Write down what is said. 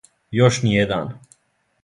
Још ни један.